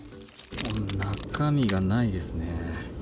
中身がないですね。